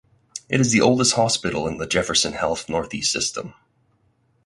It is the oldest hospital in the Jefferson Health Northeast system.